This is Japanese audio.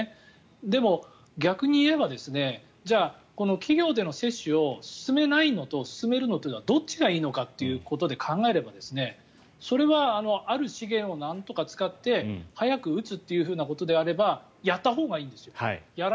でも、逆に言えばじゃあ、企業での接種を進めないのと進めるのとではどっちがいいのかということで考えればそれはある資源をなんとか使って早く打つっていうことであればやったほうがいいんですよ。